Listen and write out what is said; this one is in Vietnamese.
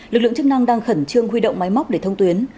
lực lượng chức năng đang khẩn trương huy động máy móc để thông tuyến